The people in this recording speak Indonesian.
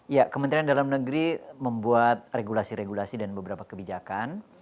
ya kementerian dalam negeri membuat regulasi regulasi dan beberapa kebijakan